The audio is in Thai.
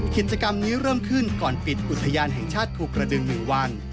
กิจกรรมนี้เริ่มขึ้นก่อนปิดอุทยานแห่งชาติภูกระดึง๑วัน